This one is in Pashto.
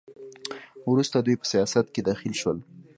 وروسته دوی په سیاست کې دخیل شول.